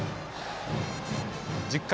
１０回。